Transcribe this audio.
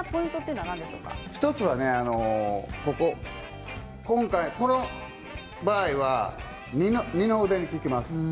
１つは今回この場合には二の腕に効きます。